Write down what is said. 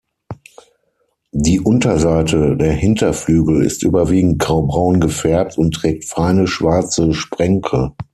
Die Unterseite der Hinterflügel ist überwiegend graubraun gefärbt und trägt feine, schwarze Sprenkel.